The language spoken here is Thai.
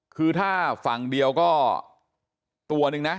คือถ้าฝั่งเดียวก็ตัวนึงนะ